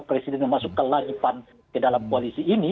presiden memasukkan lagi pan ke dalam koalisi ini